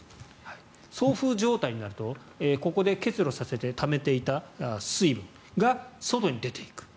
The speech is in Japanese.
送風状態になるとここで結露させてためていた水分が外に出ていく。